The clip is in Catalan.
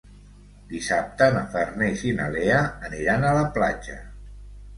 Dissabte na Farners i na Lea aniran a la platja.